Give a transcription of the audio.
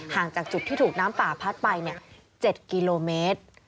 จากจุดที่ถูกน้ำป่าพัดไป๗กิโลเมตร